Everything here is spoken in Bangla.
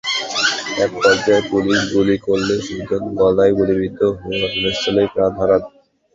একপর্যায়ে পুলিশ গুলি করলে সুজন গলায় গুলিবিদ্ধ হয়ে ঘটনাস্থলেই প্রাণ হারান।